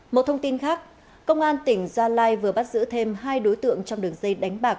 một thông tin khác công an tỉnh gia lai vừa bắt giữ thêm hai đối tượng trong đường dây đánh bạc